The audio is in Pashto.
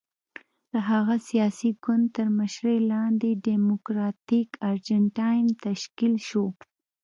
د هغه سیاسي ګوند تر مشرۍ لاندې ډیموکراتیک ارجنټاین تشکیل شو.